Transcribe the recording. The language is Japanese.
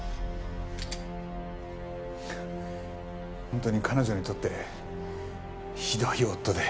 本当に彼女にとってひどい夫で。